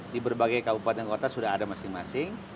di berbagai kabupaten kota sudah ada masing masing